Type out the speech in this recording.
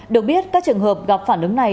được biết các trường hợp gặp phản ứng này